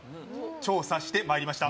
調査してまいりました。